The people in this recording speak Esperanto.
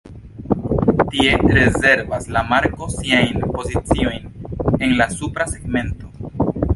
Tie rezervas la marko siajn poziciojn en la supra segmento.